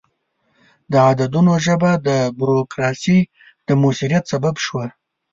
د عددونو ژبه د بروکراسي د موثریت سبب شوه.